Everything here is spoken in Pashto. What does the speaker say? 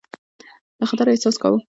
د خطر احساس کاوه.